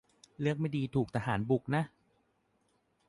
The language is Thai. เลือกไม่ดีถูกทหารบุกนะ